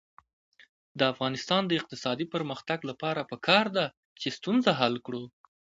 د افغانستان د اقتصادي پرمختګ لپاره پکار ده چې ستونزه حل کړو.